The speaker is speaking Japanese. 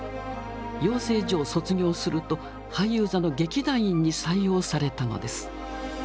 養成所を卒業すると俳優座の劇団員に採用されたのです。